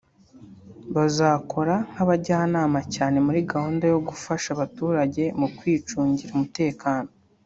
bazakora nk’abajyanama cyane muri gahunda yo gufasha abaturage mu kwicungira umutekano